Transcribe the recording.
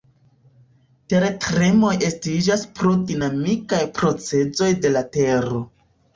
Tertremoj estiĝas pro dinamikaj procesoj de la tero.